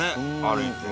歩いて。